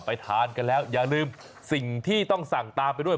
ทานกันแล้วอย่าลืมสิ่งที่ต้องสั่งตามไปด้วย